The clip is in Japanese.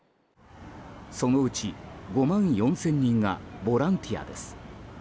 そのうち５万４０００人がボランティアです。